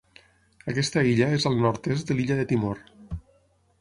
Aquesta illa és al nord-est de l'illa de Timor.